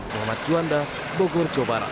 muhammad juanda bogor jawa barat